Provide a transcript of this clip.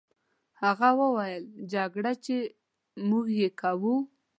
هغه وویل: جګړه، چې موږ یې کوو.